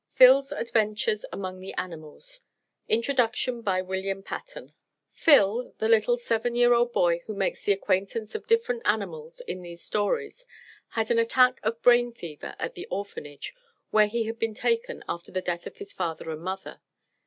PHIL'S ADVENTURES AMONG THE ANIMALS _Phil, the little seven year old boy who makes the acquaintance of different animals in these stories, had an attack of brain fever at the orphanage, where he had been taken after the death of his father and mother.